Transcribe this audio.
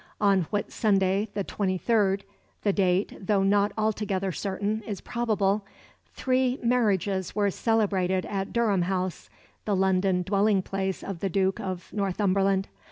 On Whitsunday, the 23rd the date, though not altogether certain, is probable three marriages were celebrated at Durham House, the London dwelling place of the Duke of Northumberland.